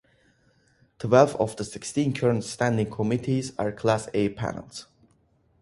Twelve of the sixteen current standing committees are Class A panels.